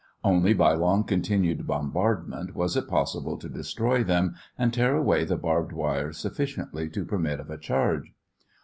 Only by long continued bombardment was it possible to destroy them and tear away the barbed wire sufficiently to permit of a charge.